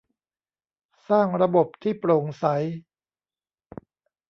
สร้างระบบที่โปร่งใส